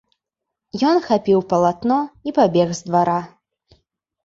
Ён хапіў палатно і пабег з двара.